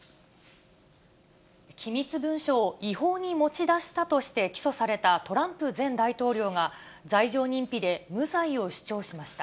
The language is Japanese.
機密文書を違法に持ち出したとして起訴されたトランプ前大統領が、罪状認否で無罪を主張しました。